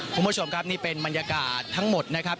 คุณผู้ชมครับนี่เป็นบรรยากาศทั้งหมดนะครับ